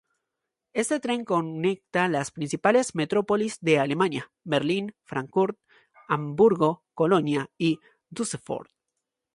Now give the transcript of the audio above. Este tren conecta las principales metrópolis de Alemania: Berlín, Frankfurt, Hamburgo, Colonia y Düsseldorf.